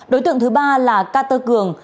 đối tượng thứ ba là cát tơ cường